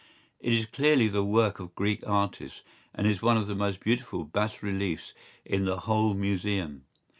¬Ý It is clearly the work of Greek artists and is one of the most beautiful bas reliefs in the whole Museum.